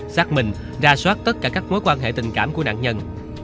xác minh ra soát tất cả các mối quan hệ tình cảm của nạn nhân